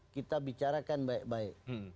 kita bicarakan baik baik